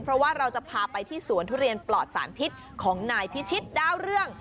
เพราะว่าเราจะพาไปที่สวนทุเรียนปลอดสารพิษของนายพิชิตดาวเรื่อง